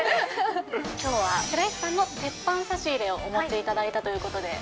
きょうは白石さんの鉄板差し入れをお持ちいただいたということで。